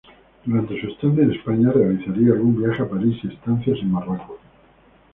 Durante su estancia en España, realizaría algún viaje a París y estancias en Marruecos.